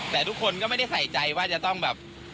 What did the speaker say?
แต่ทุกคนก็ไม่ได้ใส่ใจว่าจะต้องแบบ